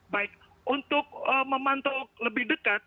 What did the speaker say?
baik untuk memantau lebih dekat